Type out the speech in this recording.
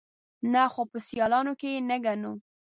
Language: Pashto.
_نه، خو په سيالانو کې يې نه ګڼو.